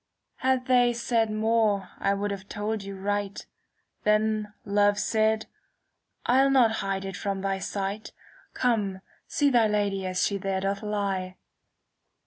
Had they said more I would have told you right ; Then Love said, * I'll not hide it from thy sight; Come see thy Lady as she there doth lie.'